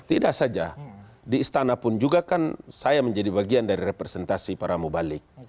tidak saja di istana pun juga kan saya menjadi bagian dari representasi para mubalik